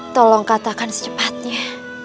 tolong katakan secepatnya